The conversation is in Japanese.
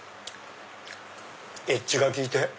エッジが効いて。